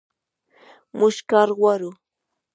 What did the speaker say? موږ کار غواړو